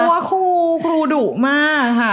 กลัวครูครูดุมากค่ะ